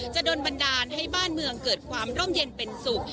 โดนบันดาลให้บ้านเมืองเกิดความร่มเย็นเป็นสุข